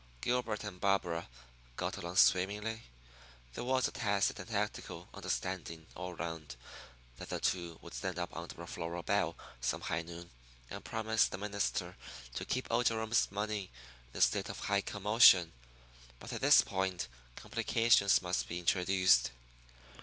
Gilbert and Barbara got along swimmingly. There was a tacit and tactical understanding all round that the two would stand up under a floral bell some high noon, and promise the minister to keep old Jerome's money in a state of high commotion. But at this point complications must be introduced.